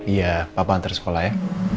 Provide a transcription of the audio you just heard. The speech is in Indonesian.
iya papa antar sekolah ya